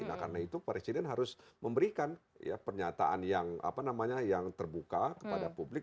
nah karena itu paris jidin harus memberikan ya pernyataan yang apa namanya yang terbuka kepada publik